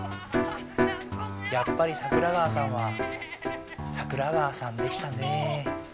やっぱり桜川さんは桜川さんでしたねぇ。